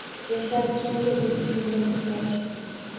Yashar kimdir lutfingga muhtoj